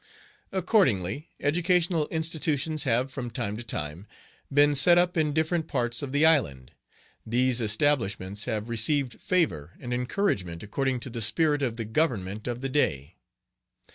Accordingly educational institutions have, from time to time, been set up in different parts of the island. These establishments have received favor and encouragement according to the spirit of the Government of the day.